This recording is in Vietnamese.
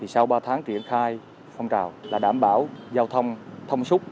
sau ba tháng triển khai phong trào là đảm bảo giao thông thông suốt